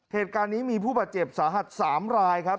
เหตุการณ์นี้มีผู้บาดเจ็บสาหัส๓รายครับ